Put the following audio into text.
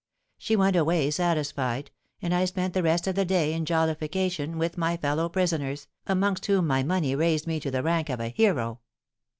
She went away satisfied; and I spent the rest of the day in jollification with my fellow prisoners, amongst whom my money raised me to the rank of a hero.